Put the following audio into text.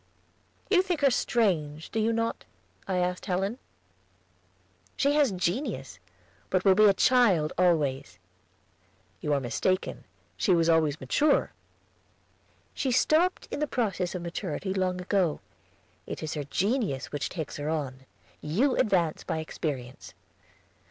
"You think her strange, do you not?" I asked Helen. "She has genius, but will be a child always." "You are mistaken; she was always mature." "She stopped in the process of maturity long ago. It is her genius which takes her on. You advance by experience."